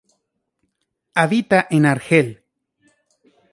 Habita en Argel.